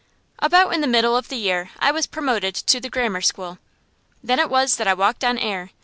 About the middle of the year I was promoted to the grammar school. Then it was that I walked on air.